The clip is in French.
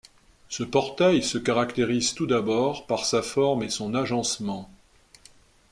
Ce portail se caractérise tout d'abord par sa forme et son agencement.